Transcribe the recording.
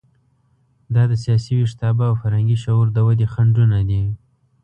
دا د سیاسي ویښتیابه او فرهنګي شعور د ودې خنډونه دي.